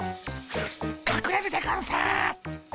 かくれるでゴンス。